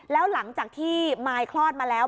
แล้วหลังจากที่มายคลอดมาแล้ว